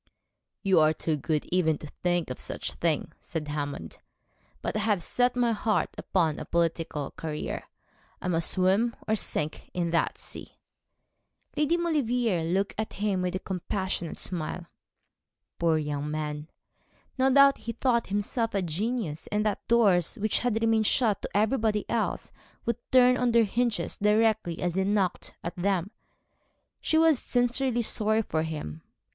'You are too good even to think of such a thing,' said Hammond; 'but I have set my heart upon a political career. I must swim or sink in that sea.' Lady Maulevrier looked at him with a compassionate smile Poor young man! No doubt he thought himself a genius, and that doors which had remained shut to everybody else would turn on their hinges directly he knocked at them. She was sincerely sorry for him.